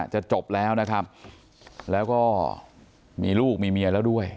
จะจบแล้วนะครับแล้วก็มีลูกมีเมียแล้วด้วย